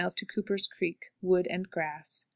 Cooper's Creek. Wood and grass.